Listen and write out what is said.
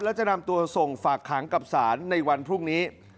แล้วจะนำตัวส่งฝากขังกับศาลในวันพรุ่งนี้